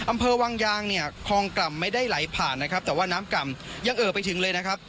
อำเภอวังยางเนี่ยคลองกล่ำไม่ได้ไหลผ่านนะครับแต่ว่าน้ำกล่ำยังเอ่อไปถึงเลยนะครับ